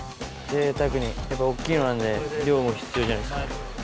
ぜいたくにやっぱ大っきいのなんで量も必要じゃないですか。